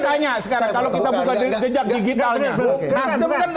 kita tanya sekarang kalau kita buka jejak digitalnya